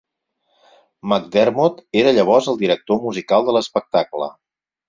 MacDermot era llavors el director musical de l'espectacle.